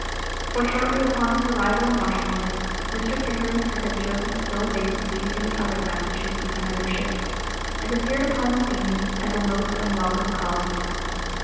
For shortly after his arrival in Washington, Mr. Pickering had been chosen to fill a vacancy in the other Massachusetts senatorship, and appeared upon the scene as a most unwelcome colleague.